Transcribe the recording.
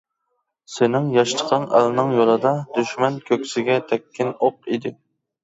سېنىڭ ياشلىقىڭ ئەلنىڭ يولىدا، دۈشمەن كۆكسىگە تەگكەن ئوق ئىدى.